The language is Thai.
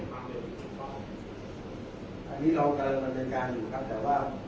แต่ว่าไม่มีปรากฏว่าถ้าเกิดคนให้ยาที่๓๑